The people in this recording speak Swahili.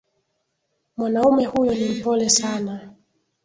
Mwanaume huyo ni mpole sana